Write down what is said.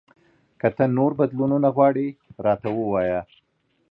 که ته نور بدلونونه غواړې، راته ووایه !